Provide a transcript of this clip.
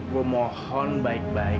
gue mohon baik baik